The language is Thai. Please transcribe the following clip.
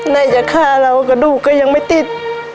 ไหนจะฆ่าเรากระดูกก็ยังไม่ติด